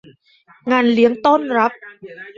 งานเลี้ยงต้อนรับ